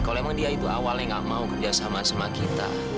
kalau emang dia itu awalnya gak mau kerja sama sama kita